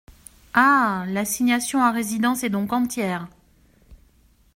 Ah ! L’assignation à résidence est donc entière.